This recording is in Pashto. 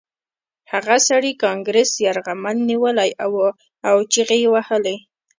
هغه سړي کانګرس یرغمل نیولی و او چیغې یې وهلې